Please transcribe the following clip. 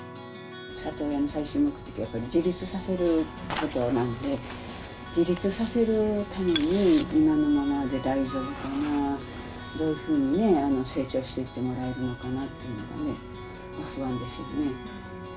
里親の最終目的は、自立させることなので、自立させるために、今のままで大丈夫かな、どういうふうに成長していってもらえるのかなっていうのがね、不安ですよね。